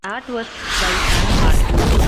Art was by Sam Hart.